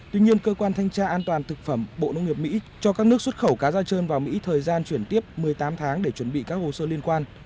tuy nhiên cơ quan thanh tra an toàn thực phẩm bộ nông nghiệp mỹ cho các nước xuất khẩu cá da trơn vào mỹ thời gian chuyển tiếp một mươi tám tháng để chuẩn bị các hồ sơ liên quan